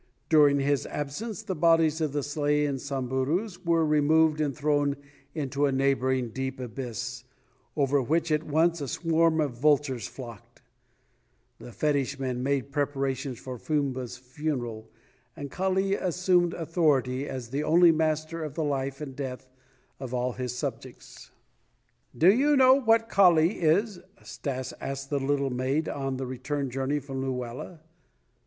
During his absence the bodies of the slain Samburus were removed and thrown into a neighboring deep abyss, over which at once a swarm of vultures flocked; the fetish men made preparations for Fumba's funeral and Kali assumed authority as the only master of the life and death of all his subjects. "Do you know what Kali is?" Stas asked the little maid on the return journey from Luela.